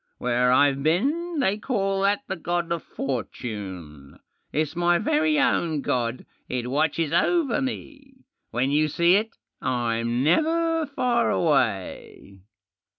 "Where IVe been they call that the God of Fortune. It's my Very ovttl god. It watches over me. When you see it I'm never far away."